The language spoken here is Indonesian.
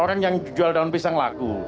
orang yang jual daun pisang lagu